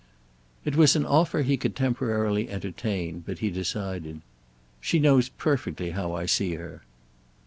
It was an offer he could temporarily entertain; but he decided. "She knows perfectly how I see her."